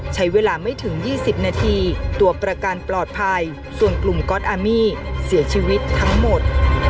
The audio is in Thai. ใช้เวลาไม่ถึง๒๐นาทีตัวประกันปลอดภัยส่วนกลุ่มก๊อตอามี่เสียชีวิตทั้งหมด